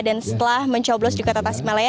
dan setelah mencoblos di kota tasikmalaya